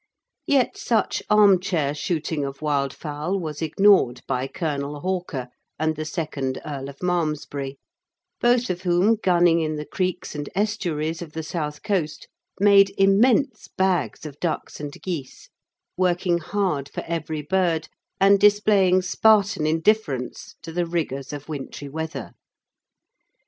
Yet such armchair shooting of wildfowl was ignored by Colonel Hawker and the second Earl of Malmesbury, both of whom, gunning in the creeks and estuaries of the south coast, made immense bags of ducks and geese, working hard for every bird and displaying Spartan indifference to the rigours of wintry weather.